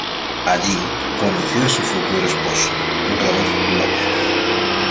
Allí, conoció a su futuro esposo, Robert Lopez.